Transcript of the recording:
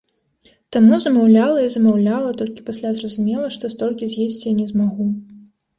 Таму замаўляла і замаўляла, толькі пасля зразумела, што столькі з'есці я не змагу.